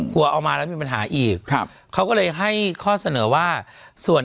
เอามาแล้วมีปัญหาอีกครับเขาก็เลยให้ข้อเสนอว่าส่วน